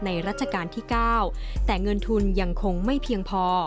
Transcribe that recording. รัชกาลที่๙แต่เงินทุนยังคงไม่เพียงพอ